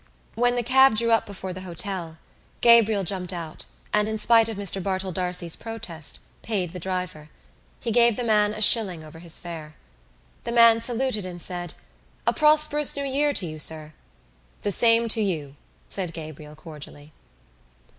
When the cab drew up before the hotel, Gabriel jumped out and, in spite of Mr Bartell D'Arcy's protest, paid the driver. He gave the man a shilling over his fare. The man saluted and said: "A prosperous New Year to you, sir." "The same to you," said Gabriel cordially.